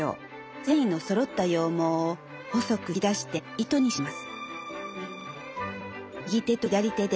繊維のそろった羊毛を細く引き出して糸にします。